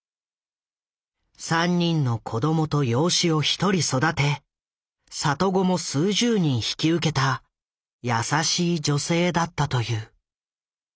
３人の子供と養子を１人育て里子も数十人引き受けた優しい女性だったという。